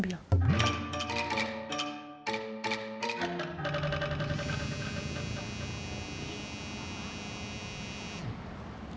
biar usaha ternak lele akang bisa berkembang